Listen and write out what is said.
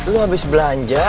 lo abis belanja